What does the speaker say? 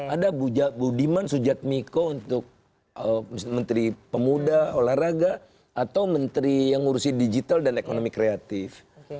ada budiman sujatmiko untuk menteri pemuda olahraga atau menteri yang ngurusi digital dan ekonomi kreatif